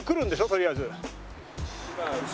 とりあえず。